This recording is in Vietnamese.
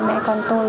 mẹ con tôi